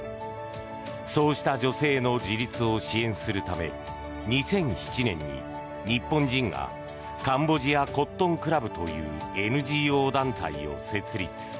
そうした女性の自立を支援するため２００７年に日本人がカンボジアコットンクラブというＮＧＯ団体を設立。